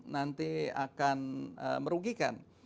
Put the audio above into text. nanti akan merugikan